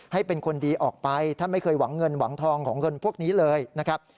ให้เป็นคนดีออกไปท่านไม่เคยหวังเงินหวังทองของเงินพวกนี้เลยนะครับ